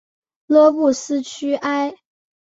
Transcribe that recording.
勒布斯屈埃。